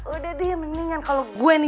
udah dia mendingan kalo gue nih